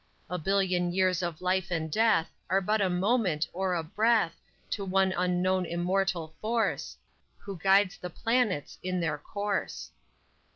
_ _A billion years of life and death Are but a moment or a breath To one unknown Immortal Force Who guides the planets in their course!